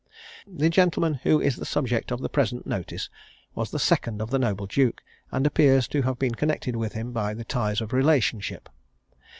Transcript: The gentleman who is the subject of the present notice, was the second of the noble duke, and appears to have been connected with him by the ties of relationship.